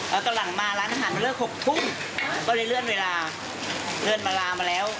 แล้วก็หลังมาร้านอาหารมันเลิก๖ทุ่มก็เลยเลื่อนเวลาเงินมันลามาแล้ว